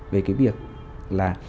về cái việc là